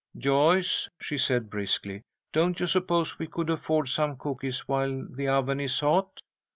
"Joyce," she said, briskly, "don't you suppose we could afford some cookies while the oven is hot?